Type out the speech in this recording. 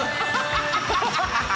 ハハハハ！